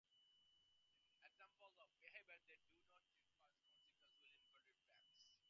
Examples of behaviors that do not require conscious will include many reflexes.